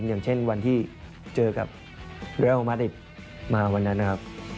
อย่างเช่นวันที่เจอกับเรลมาริดมาวันนั้นนะครับ